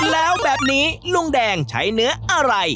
แล้วแบบนี้ลุงแดงใช้เนื้ออะไร